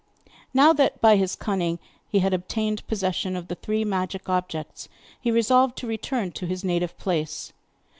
Now that by his cunning he had obtained possession of the three magic objects, he resolved to return to his native place.